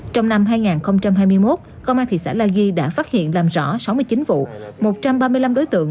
trong năm hai nghìn hai mươi một công an thị xã la ghi đã phát hiện làm rõ sáu mươi chín vụ một trăm ba mươi năm đối tượng